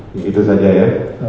begitu saja ya